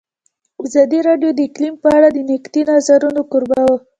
ازادي راډیو د اقلیم په اړه د نقدي نظرونو کوربه وه.